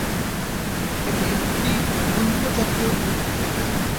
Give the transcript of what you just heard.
এটি একটি গুল্ম জাতীয় উদ্ভিদ।